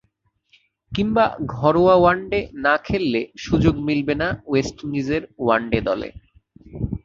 কিংবা ঘরোয়া ওয়ানডে না খেললে সুযোগ মিলবে না ওয়েস্ট ইন্ডিজের ওয়ানডে দলে।